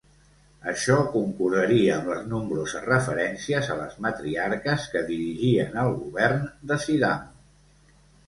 Això concordaria amb les nombroses referències a les matriarques que dirigien el govern de Sidamo.